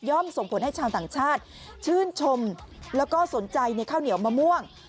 ส่งผลให้ชาวต่างชาติชื่นชมแล้วก็สนใจในข้าวเหนียวมะม่วง